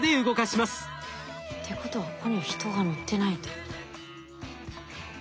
ってことはここに人が乗ってないんだ。